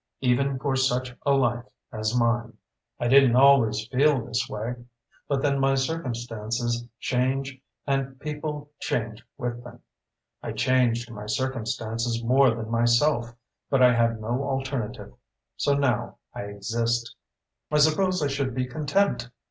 Even for such a life as mine. I didn't always feel this way. But then circumstances change and people change with them. I changed my circumstances more than myself, but I had no alternative. So now I exist. I suppose I should be content.